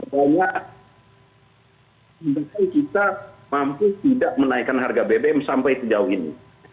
karena kita mampu tidak menaikkan harga bbm sampai terjauh ini